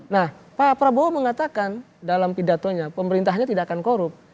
nah pak prabowo mengatakan dalam pidatonya pemerintahnya tidak akan korup